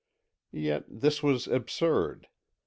Yet, this was absurd.